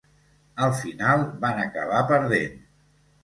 Al final van acabar perdent.